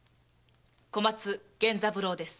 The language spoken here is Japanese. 小松源三郎です。